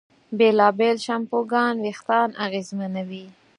بېلابېل شیمپوګان وېښتيان اغېزمنوي.